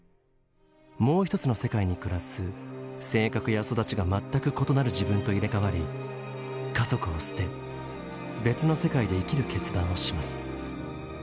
もう一つの世界に暮らす性格や育ちが全く異なる自分と入れ替わり家族を捨て別の世界で生きる決断をします。